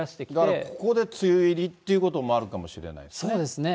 だからここで梅雨入りっていうこともあるかもしれないですね。